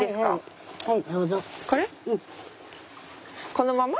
このまま？